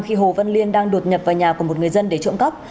khi hồ văn liên đang đột nhập vào nhà của một người dân để trộm cắp